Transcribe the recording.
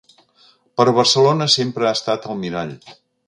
Però Barcelona sempre ha estat el mirall.